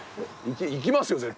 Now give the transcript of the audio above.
行きますよ絶対。